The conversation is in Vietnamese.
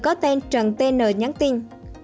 có tên trần t n nhắn tin